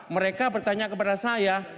mereka bertanya kepada saya